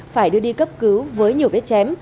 phải đưa đi cấp cứu với nhiều vết chém